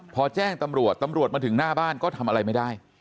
พอแจ้งตำรวจตำรวจมาถึงหน้าบ้านก็ทำอะไรไม่ได้